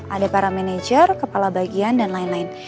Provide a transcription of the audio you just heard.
ada para manajer kepala bagian dan lain lain